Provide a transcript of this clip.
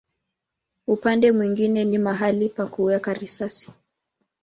Upande mwingine ni mahali pa kuweka risasi.